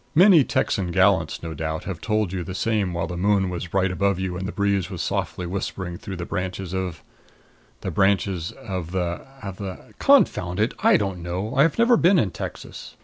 Many Texan gallants, no doubt, have told you the same while the moon was bright above you and the breeze was softly whispering through the branches of the branches of the of the Confound it, I don't know! I have never been in Texas.